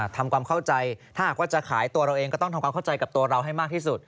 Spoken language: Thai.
ทำความเข้าใจถ้าหากว่าจะขายตัวเราเองก็ต้องทำความเข้าใจกับตัวเราให้มากที่สุด